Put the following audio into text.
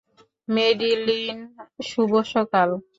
Madeline, শুভ সকাল।